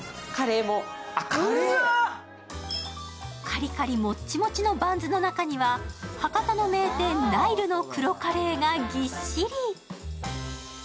カリカリもっちもちのバンズの中には、博多の名店・ナイルの黒カレーがぎっしり。